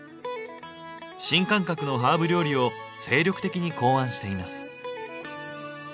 新感覚のハーブ料理を精力的に考案しています。